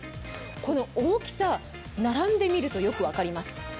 この大きさ、並んでみるとよく分かります。